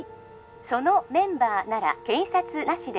☎そのメンバーなら警察なしで